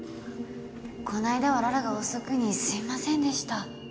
こないだは羅羅が遅くにすいませんでした。